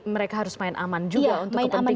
mereka harus main aman juga untuk kepentingan